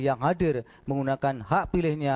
yang hadir menggunakan hak pilihnya